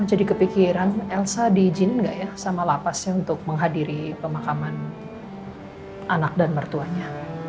mau jadi kepikiran elsa diizinin gak ya sama lapasnya untuk menghadiri pemakaman anak dan mertuanya